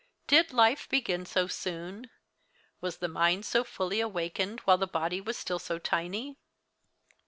Did life begin so soon? Was the mind so fully awakened while the body was still so tiny?